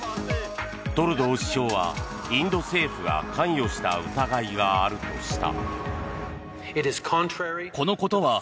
トルドー首相は、インド政府が関与した疑いがあるとした。